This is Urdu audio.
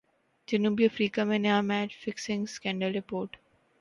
جنوبی افریقہ میں نیا میچ فکسنگ سکینڈل رپورٹ